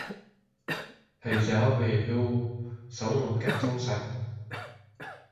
Thầy giáo về hưu sống một cách trong sạch